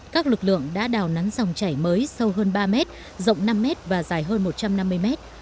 các lực lượng đã đào nắn dòng chảy mới sâu hơn ba mét rộng năm mét và dài hơn một trăm năm mươi mét